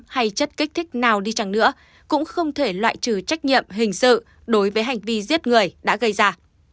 hay chất kích thích nào đi chăng nữa cũng không thể loại trừ trách nhiệm hình sự đối với hành vi giết người đã gây ra